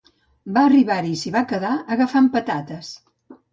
Va arribar-hi i s'hi va quedar, agafant patates.